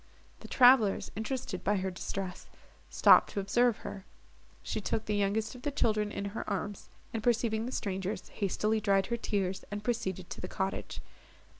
The travellers, interested by her distress, stopped to observe her. She took the youngest of the children in her arms, and, perceiving the strangers, hastily dried her tears, and proceeded to the cottage.